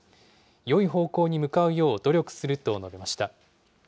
よい方向に向かうよう努力すると述べました。